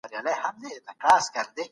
فکري بهير ته بايد نوې سمه لار وښودل سي.